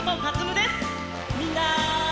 みんな！